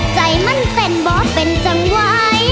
ใจมั่นเต็นบ่เป็นจังหวาย